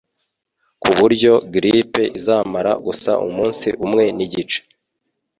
kuburyo grippe izamara gusa umunsi umwe n'igice